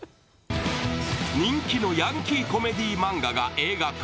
人気のヤンキーコメディー漫画が映画化。